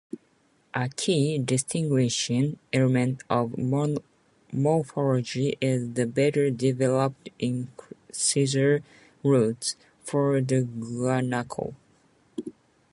A key distinguishing element of morphology is the better-developed incisor roots for the guanaco.